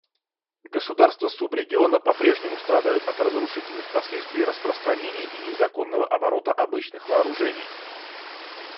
Государства субрегиона по-прежнему страдают от разрушительных последствий распространения и незаконного оборота обычных вооружений.